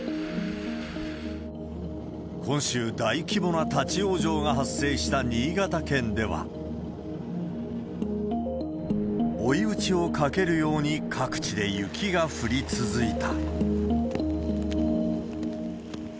今週、大規模な立往生が発生した新潟県では、追い打ちをかけるように各地で雪が降り続いた。